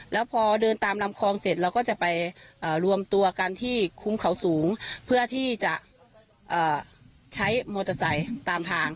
แล้วพอเดินตามลำคลองเสร็จเราก็จะไปรวมตัวกันที่คุ้มเขาสูงเพื่อที่จะใช้มอเตอร์ไซค์ตามทาง